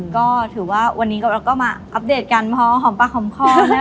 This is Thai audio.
ก็ถือว่าวันนี้เราก็มาอัปเดตกันพอหอมปากหอมคอ